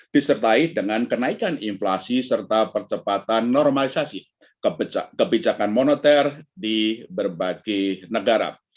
disertai dengan kenaikan inflasi serta percepatan normalisasi kebijakan moneter di berbagai negara